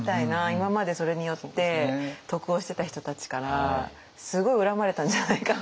今までそれによって得をしてた人たちからすごい恨まれたんじゃないかなって。